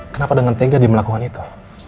kenapa dengan tega dia melakukan itu